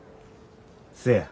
せや。